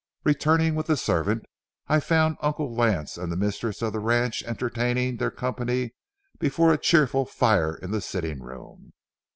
Returning with the servant, I found Uncle Lance and the mistress of the ranch entertaining their company before a cheerful fire in the sitting room.